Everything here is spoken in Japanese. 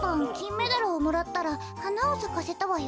メダルをもらったらはなをさかせたわよ。